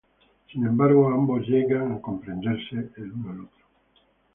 Sin embargo, ambos llegan a comprenderse el uno al otro.